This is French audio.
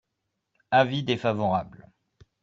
Avis défavorable.